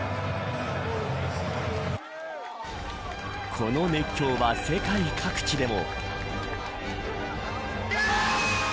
この熱狂は世界各地でも。